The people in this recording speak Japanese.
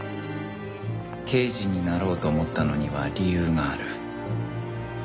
刑事になろうと思ったのには理由がある